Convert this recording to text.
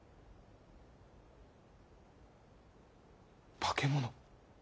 化け物！